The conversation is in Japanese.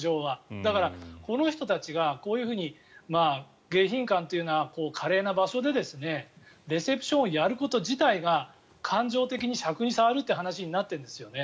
だから、この人たちがこういうふうに迎賓館という華麗な場所でレセプションをやること自体が感情的にしゃくに障るという話になってるんですよね。